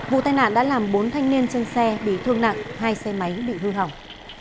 vụ tai nạn đã làm bốn thanh niên trên xe bị thương nặng hai xe máy bị hư hỏng